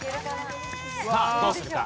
さあどうするか？